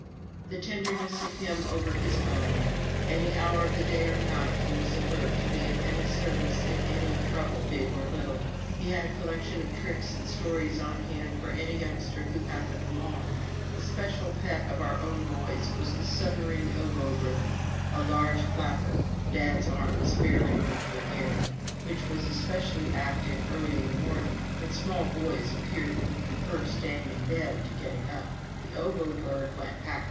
The tenderness of him over his own! Any hour of the day or night he was alert to be of any service in any trouble, big or little. He had a collection of tricks and stories on hand for any youngster who happened along. The special pet of our own boys was "The Submarine Obo Bird" a large flapper (Dad's arms fairly rent the air), which was especially active early in the morning, when small boys appeared to prefer staying in bed to getting up. The Obo Bird went "Pak!